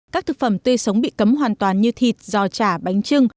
các thực phẩm tươi sống bị cấm hoàn toàn như thịt giò chả bánh trưng